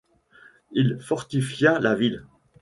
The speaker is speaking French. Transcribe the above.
Il fortifia la ville.